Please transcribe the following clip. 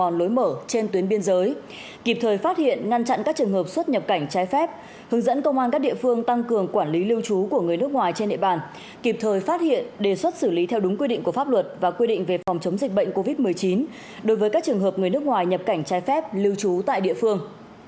bốn hướng dẫn công an các địa phương nắm chặt chắt chẽ với lực lượng bộ đội biên phòng tăng cường kiểm tra kịp thời phát hiện năn chặn các trường hợp xuất nhập cảnh trái phép hướng dẫn công an các địa phương tăng cường quản lý lưu trú của người nước ngoài trên nệp bàn kịp thời phát hiện đề xuất xử lý theo đúng quy định của pháp luật và quy định về phòng chống dịch bệnh covid một mươi chín đối với các trường hợp người nước ngoài nhập cảnh trái phép lưu trú tại địa phương